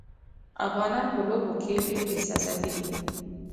افغانان په لوبو کې ډېر احساساتي دي.